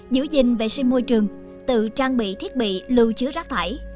giữ gìn vệ sinh môi trường tự trang bị thiết bị lưu chứa rác thải